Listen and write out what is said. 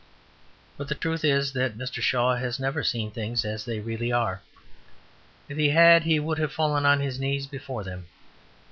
For the truth is that Mr. Shaw has never seen things as they really are. If he had he would have fallen on his knees before them.